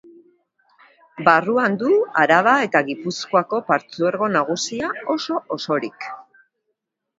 Barruan du Araba eta Gipuzkoako partzuergo nagusia oso-osorik.